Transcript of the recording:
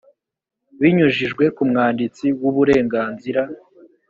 binyujijwe ku mwanditsi w uburenganzira